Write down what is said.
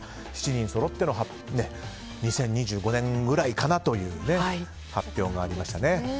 ７人そろっては２０２５年くらいかなという発表がありましたね。